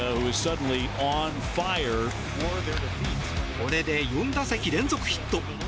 これで４打席連続ヒット。